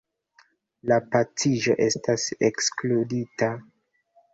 La paciĝo estas ekskludita.